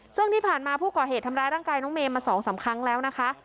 ซึ่งที่ผ่านมาผู้ก่อเหตุทำร้ายร่างกายน้องเมย์มา๒๓ครั้งแล้วนะคะ